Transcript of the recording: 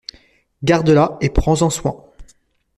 Garde-la et prends-en soin.